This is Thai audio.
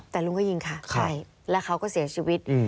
แต่ลุงก็ยิงค่ะใช่แล้วเขาก็เสียชีวิต